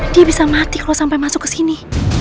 dia bisa mati kalo sampai masuk kesini